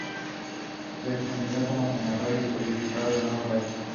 Se desempeñó como senador y diputado del nuevo país.